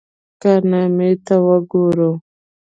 کارنامې ته وګورو.